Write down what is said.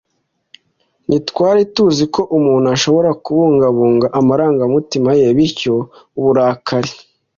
ntitwari tuzi ko umuntu ashobora kubungabunga amarangamutima ye, bityo uburakari,